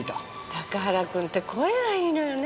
高原くんって声がいいのよね。